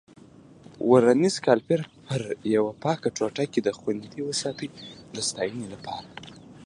ورنیز کالیپر پر یوه پاکه ټوټه کې خوندي وساتئ د ساتنې لپاره.